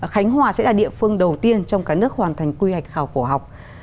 khánh hòa sẽ là địa phương đầu tiên trong cả nước hoàn thành quy hạch khảo cổ học